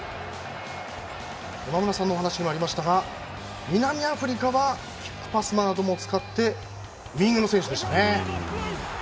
山村さんのお話にもありましたが南アフリカはキックパスなども使ってウイングの選手でしたね。